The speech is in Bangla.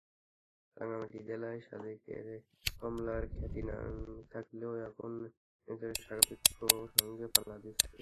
রাঙামাটি জেলায় সাজেকের কমলার খ্যাতি থাকলেও এখন নানিয়ারচরের সাবেক্ষং তার সঙ্গে পাল্লা দিচ্ছে।